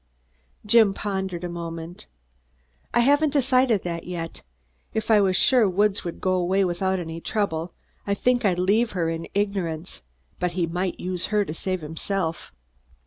Jim pondered a moment. "I haven't decided that yet. If I was sure Woods would go away without any trouble, I think I'd leave her in ignorance; but he might use her to save himself."